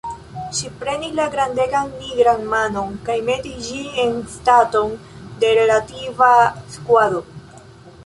Ŝi prenis la grandegan nigran manon kaj metis ĝin en staton de relativa skuado.